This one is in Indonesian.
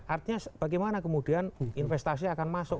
artinya bagaimana kemudian investasi akan masuk